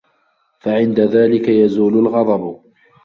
فَعِنْدَ ذَلِكَ يَزُولُ الْغَضَبُ